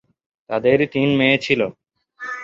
তাদের তিন মেয়ে ছিল।